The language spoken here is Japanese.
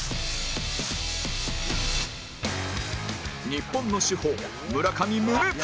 日本の主砲村上宗隆